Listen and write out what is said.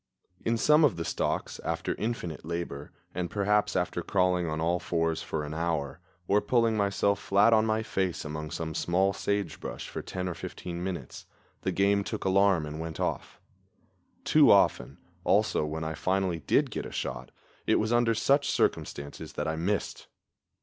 In some of the stalks, after infinite labor, and perhaps after crawling on all fours for an hour, or pulling myself flat on my face among some small sagebrush for ten or fifteen minutes, the game took alarm and went off. Too often, also, when I finally did get a shot, it was under such circumstances that I missed.